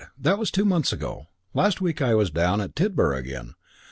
That was two months ago. Last week I was down at Tidborough again.